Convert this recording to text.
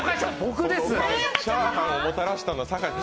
チャーハンをもたらしたのは酒井君。